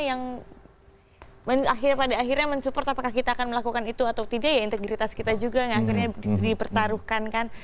yang pada akhirnya mensupport apakah kita akan melakukan itu atau tidak ya integritas kita juga yang akhirnya dipertaruhkan kan